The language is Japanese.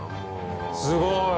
すごい！